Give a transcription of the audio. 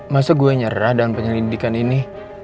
masa gue nyerah dalam penyelidikan ini